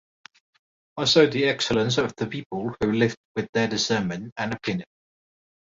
I saw the excellence of the people who lived with their discernment and opinion.